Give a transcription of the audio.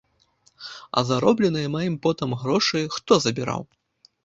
А заробленыя маім потам грошы хто забіраў?